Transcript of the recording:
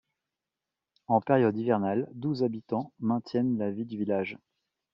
En période hivernale, douze habitants maintiennent la vie du village.